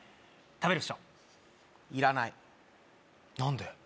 食べるっしょいらない何で？